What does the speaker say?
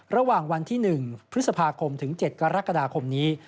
ระหว่างวันที่๑พฤษภาคมถึง๗กรกฎาคมนี้